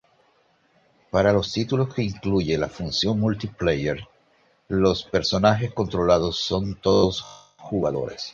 Para los títulos que incluye la función multiplayer, los personajes controlados son todos jugadores.